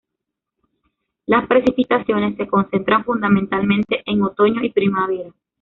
Las precipitaciones se concentran fundamentalmente en otoño y primavera.